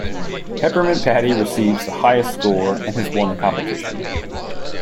Peppermint Patty receives the highest score, and has won the competition.